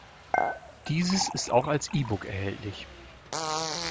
Dieses ist auch als E-Book erhältlich.